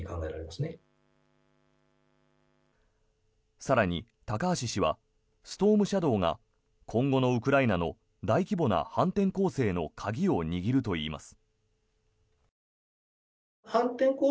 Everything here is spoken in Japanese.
更に、高橋氏はストームシャドーが今後のウクライナの大規模な反転攻勢の鍵を握るといいます。